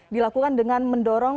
dilakukan dengan mendorong